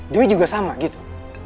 dewi juga sama gitu